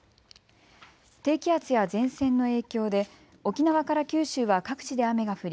低気圧や前線の影響で沖縄から九州は各地で雨が降り